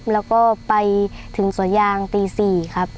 แล้วก็ไปถึงสวนยางตี๔ครับ